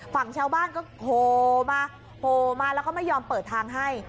ฝั่งชาวบ้านก็โหมาโหมาแล้วก็ไม่ยอมเปิดทางให้